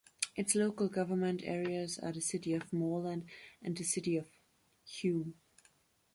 Its local government areas are the City of Moreland and the City of Hume.